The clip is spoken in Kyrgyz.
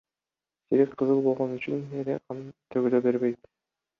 Желек кызыл болгон үчүн эле кан төгүлө бербейт.